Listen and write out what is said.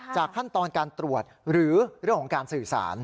ขั้นตอนการตรวจหรือเรื่องของการสื่อสาร